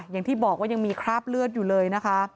อย่างที่บอกว่ายังมีคราบเลือดอยู่เลยนะคะ